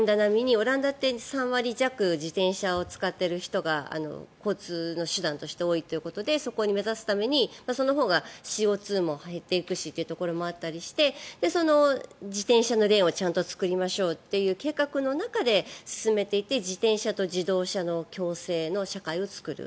オランダって３割ぐらいの人が自転車を使っている人が交通手段として多いということでそこに目指すために、そのほうがＣＯ２も減っていくしということもあったりして自転車のレーンをちゃんと作りましょうっていう計画の中で進んでいって自転車と自動車の共生の社会を作る。